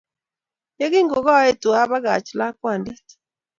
Ye kingo gaetu apakach lakwandit.